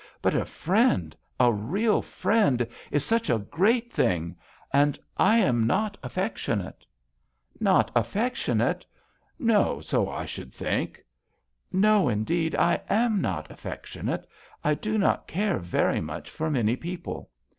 But a friend, a real friend, is such a great thing; and I am not affectionate." Not affectionate ! No, so I should think." ''No, indeed, I am not affec tionate ; I do not care very much for many people.